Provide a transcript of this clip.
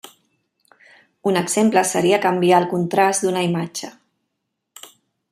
Un exemple seria canviar el contrast d'una imatge.